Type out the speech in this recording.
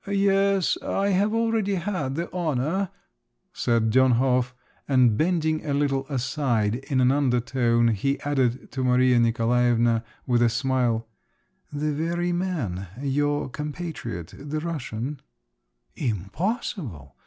"Yes … I have already had the honour," said Dönhof, and bending a little aside, in an undertone he added to Maria Nikolaevna, with a smile, "The very man … your compatriot … the Russian …" "Impossible!"